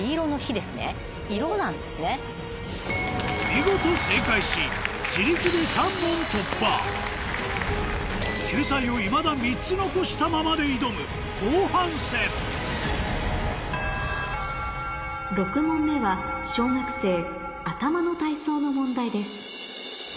見事正解し救済をいまだ３つ残したままで挑む後半戦６問目は小学生の問題です